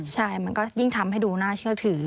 ใช่มันก็ยิ่งทำให้ดูน่าเชื่อถือ